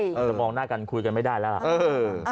เราจะมองหน้ากันคุยกันไม่ได้แล้วล่ะ